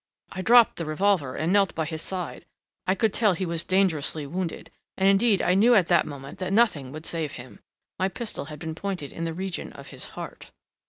I dropped the revolver and knelt by his side. I could tell he was dangerously wounded, and indeed I knew at that moment that nothing would save him. My pistol had been pointed in the region of his heart...."